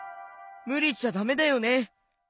むりしちゃだめだよね。